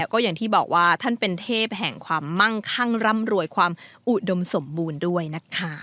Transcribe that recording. ก็อย่างที่บอกว่าท่านเป็นเทพแห่งความมั่งคั่งร่ำรวยความอุดมสมบูรณ์ด้วยนะคะ